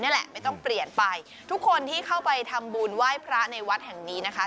นี่แหละไม่ต้องเปลี่ยนไปทุกคนที่เข้าไปทำบุญไหว้พระในวัดแห่งนี้นะคะ